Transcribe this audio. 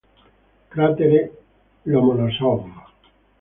Cratere Lomonosov